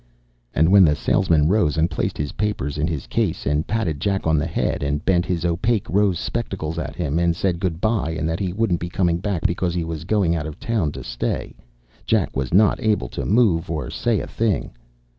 _ And when the salesman rose and placed his papers in his case and patted Jack on the head and bent his opaque rose spectacles at him and said good by and that he wouldn't be coming back because he was going out of town to stay, Jack was not able to move or say a thing.